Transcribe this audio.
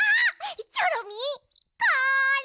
チョロミーこれ！